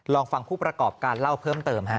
ลองฟังผู้ประกอบการเล่าเพิ่มเติมฮะ